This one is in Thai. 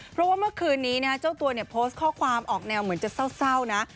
เพราะว่าเมื่อคืนนี้นะเจ้าตัวเนี่ยโพสต์ข้อความออกแนวเหมือนจะเศร้านะ